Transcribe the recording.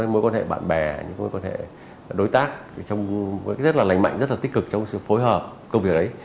mối quan hệ bạn bè những mối quan hệ đối tác rất là lành mạnh rất là tích cực trong sự phối hợp công việc đấy